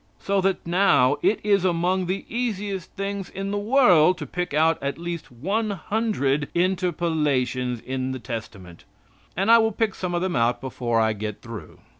So that now it is among the easiest things in the world to pick out at least one hundred interpolations in the Testament. And I will pick some of them out before I get through.